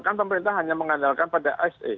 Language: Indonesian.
kan pemerintah hanya mengandalkan pada sa